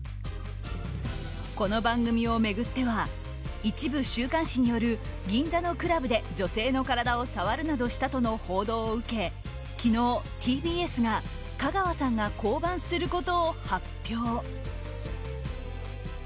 この番組を巡っては一部週刊誌による銀座のクラブで女性の体を触るなどしたとの報道を受け昨日、ＴＢＳが香川さんが降板することを発表。